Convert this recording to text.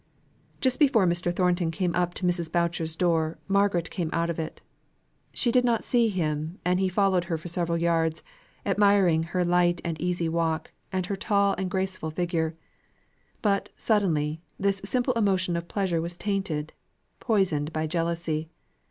Just before Mr. Thornton came up to Mrs. Boucher's door, Margaret came out of it. She did not see him; and he followed her for several yards, admiring her light and easy walk, and her tall and graceful figure. But, suddenly, this simple emotion of pleasure was tainted, poisoned by jealousy.